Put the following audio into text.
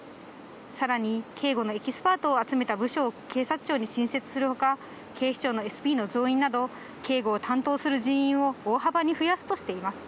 さらに警護のエキスパートを集めた部署を警察庁に新設するほか、警視庁のＳＰの増員など、警護を担当する人員を大幅に増やすとしています。